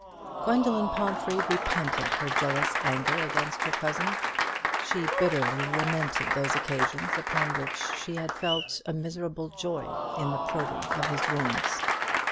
Gwendoline Pomphrey repented her jealous anger against her cousin; she bitterly lamented those occasions upon which she had felt a miserable joy in the probing of his wounds.